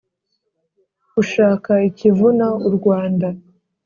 ushaka ikivuna u rwanda.